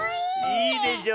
いいでしょ。